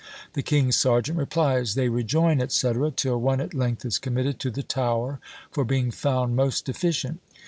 The king's serjeant replies; they rejoin, &c.: till one at length is committed to the Tower, for being found most deficient.